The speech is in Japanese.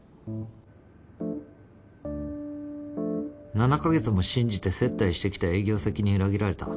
「７ヶ月も信じて接待してきた営業先に裏切られた。